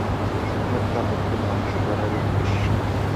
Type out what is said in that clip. অর্থাৎ তাদেরকে ধ্বংস করার উদ্দেশ্যে।